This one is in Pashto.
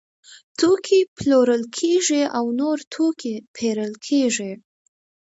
توکي پلورل کیږي او نور توکي پیرل کیږي.